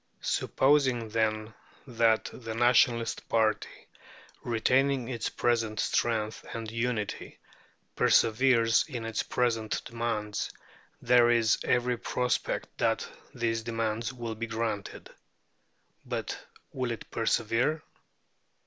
Supposing, then, that the Nationalist party, retaining its present strength and unity, perseveres in its present demands, there is every prospect that these demands will be granted. But will it persevere?